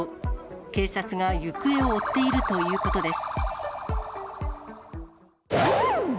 警察が行方を追っているということです。